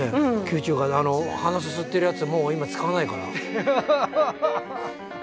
吸虫管であの鼻すすってるやつもう今使わないから。